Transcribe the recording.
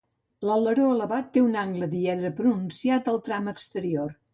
L'aleró elevat té un angle diedre pronunciat al tram exterior.